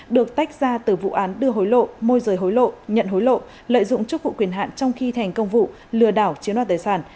được tách ra từ vụ án đưa hối lộ môi rời hối lộ nhận hối lộ lợi dụng chức vụ quyền hạn trong khi thành công vụ lừa đảo chiếm đoạt tài sản